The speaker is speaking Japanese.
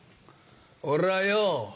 俺はよ